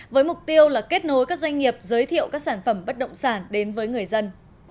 với mục tiêu là kết nối các doanh nghiệp giới thiệu các sản phẩm bất động sản đến với người dân